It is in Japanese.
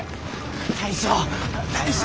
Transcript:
大将大将！